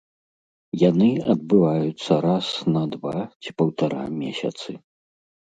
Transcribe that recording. Яны адбываюцца раз на два ці паўтара месяцы.